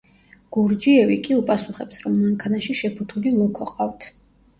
გურჯიევი კი უპასუხებს, რომ მანქანაში შეფუთული ლოქო ყავთ.